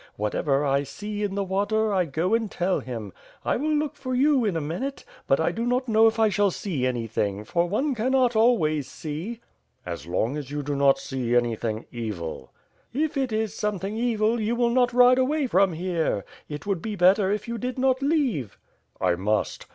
Whatever I see in the water I go and tell him. I will look for you in a minute, but I do not know if I shall see anything; for one cannot always see." "As long as you do not see anything evil." "If it is something evil you will not ride away from here. It would be better if you did not leave." I must.